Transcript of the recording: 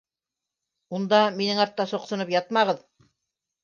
Унда минең артта соҡсоноп ятмағыҙ